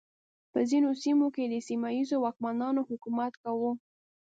په ځینو سیمو کې سیمه ییزو واکمنانو حکومت کاوه.